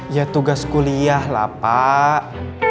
ya tugas kuliah lah pak